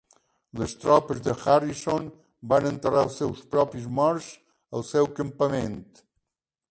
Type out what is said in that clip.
Les tropes de Harrison van enterrar els seus propis morts al seu campament.